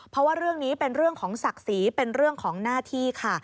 เพราะว่าเรื่องนี้เป็นเรื่องของศักดิ์ศรีเป็นเรื่องของหน้าที่ค่ะ